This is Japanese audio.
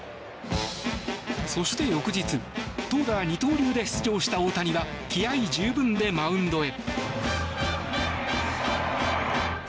そして翌日投打二刀流で出場した大谷は気合十分でマウンドへ。